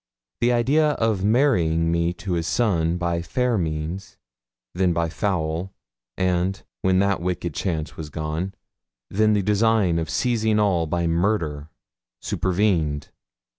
The idea of marrying me to his son by fair means, then by foul, and, when that wicked chance was gone, then the design of seizing all by murder, supervened.